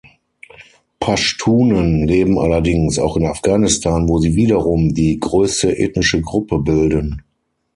Paschtunen leben allerdings auch in Afghanistan, wo sie wiederum die größte ethnische Gruppe bilden.